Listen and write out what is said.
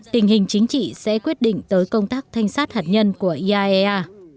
tình hình chính trị sẽ quyết định tới công tác thanh sát hạt nhân của iaea